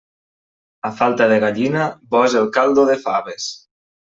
A falta de gallina, bo és el caldo de faves.